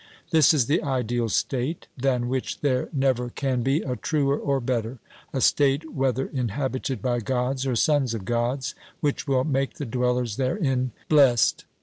This is the ideal state; than which there never can be a truer or better a state, whether inhabited by Gods or sons of Gods, which will make the dwellers therein blessed.